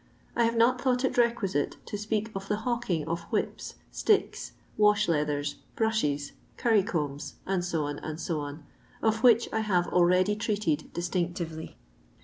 I have not thought it requisite to speak of the hawking of whips, sticks, wash leathers, brushes, curry combs, &c., Ac, of which I have already treated distinctively.